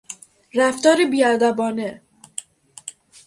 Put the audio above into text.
رفتار بیادبانه